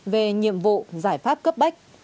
về nhiệm vụ giải pháp cấp bách